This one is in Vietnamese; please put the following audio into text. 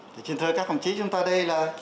thì xin thưa các phòng chí chúng ta đây là